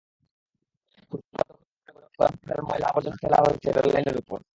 ফুটপাত দখল করে গড়ে ওঠা দোকানপাটের ময়লা-আবর্জনা ফেলা হয়েছে রেললাইনের ওপর।